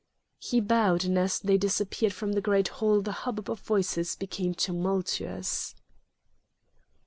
He bowed and as they disappeared from the great hall the hubbub of voices became tumultuous.